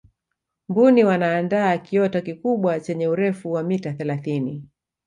mbuni wanaandaa kiota kikubwa chenye urefu wa mita thelathini